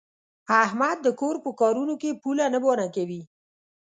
احمد د کور په کارونو کې پوله نه بانه کوي.